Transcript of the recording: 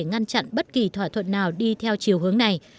để ngăn chặn bất kỳ thỏa thuận nào đi theo chiều hướng này